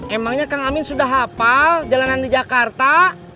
emangnya kang amin sudah hafal jalanan di jakarta